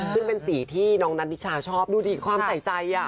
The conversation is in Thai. ซึ่งเป็นสีที่น้องนัทนิชาชอบดูดิความใส่ใจ